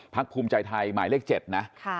ภูมิใจไทยหมายเลข๗นะ